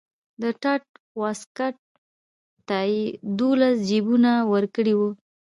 د ټاټ واسکټ ته یې دولس جیبونه ورکړي وو.